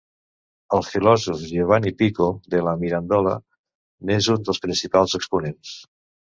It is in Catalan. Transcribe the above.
El filòsof Giovanni Pico della Mirandola n'és un dels principals exponents.